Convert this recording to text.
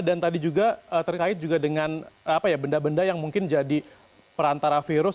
dan tadi juga terkait juga dengan benda benda yang mungkin jadi perantara virus